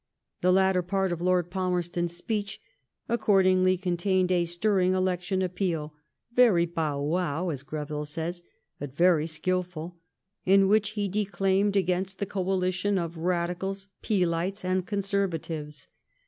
The latter part of Lord Falmerston's speech accordingly con tained a stirring election f appeal —very bow wow," as Greville says, but very sldlful — ^in which he declaimed againslLthe coalition of Radicals, Feelites, and Conserva tives.